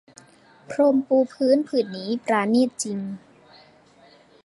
พรมปูพื้นผืนนี้ปราณีตจริง